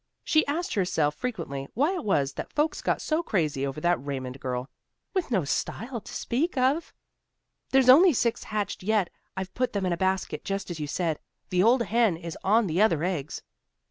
She asked herself frequently why it was that folks got so crazy over that Raymond girl, "with no style to speak of." "There's only six hatched yet. I've put them in a basket just as you said. The old hen is on the other eggs."